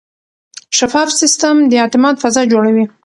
شفاف سیستم د اعتماد فضا جوړوي.